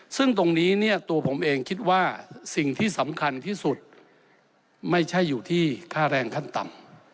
ซึ่งตรงนี้เนี่ยตัวผมเองคิดว่าสิ่งที่สำคัญที่สุดไม่ใช่อยู่ที่ค่าแรงขั้นต่ำ